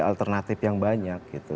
alternatif yang banyak